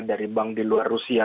dari bank di luar rusia